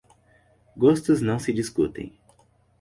Gostos não se discutem.